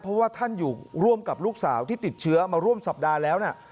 เพราะว่าท่านอยู่ร่วมกับลูกสาวที่ติดเชื้อมาร่วมสัปดาห์แล้วนะ